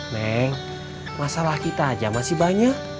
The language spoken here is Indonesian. neng masalah kita aja masih banyak